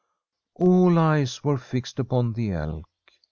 All eyes were fixed upon the elk.